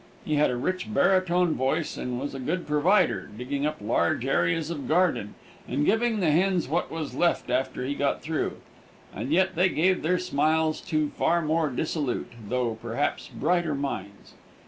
He had a rich baritone voice, and was a good provider, digging up large areas of garden, and giving the hens what was left after he got through, and yet they gave their smiles to far more dissolute though perhaps brighter minds.